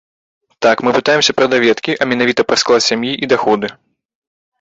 Так мы пытаемся пра даведкі, а менавіта пра склад сям'і і даходы.